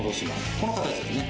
この形ですね。